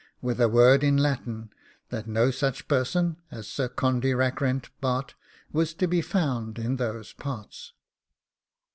with a word in Latin, that no such person as Sir Condy Rackrent, Bart., was to be found in those parts.